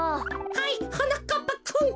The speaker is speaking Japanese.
はいはなかっぱくん。